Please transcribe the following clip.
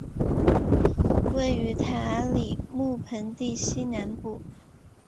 位于塔里木盆地西南部。